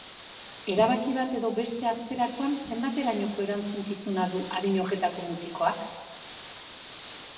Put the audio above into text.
Erabaki bat edo beste hartzerakoan zenbaterainoko erantzunkizuna du adin horretako mutikoak?